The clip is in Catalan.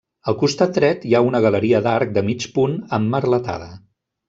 Al costat dret hi ha una galeria d'arc de mig punt emmerletada.